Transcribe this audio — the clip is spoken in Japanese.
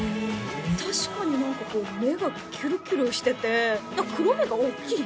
確かに何か目がキュルキュルしてて何か黒目がおっきい？